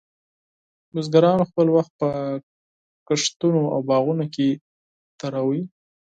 بزګرانو خپل وخت په کښتونو او باغونو کې تېراوه.